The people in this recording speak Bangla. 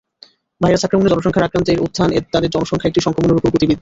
ভাইরাস আক্রমণে জনসংখ্যার আক্রান্তের উত্থান তাদের জনসংখ্যা একটি সংক্রমণের উপর গতিবিদ্যা।